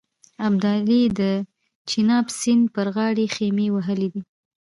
ابدالي د چیناب سیند پر غاړه خېمې وهلې دي.